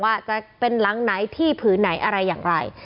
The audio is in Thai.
ว่าจะเป็นหลังไหนที่ผืนไหนอะไรอย่างไร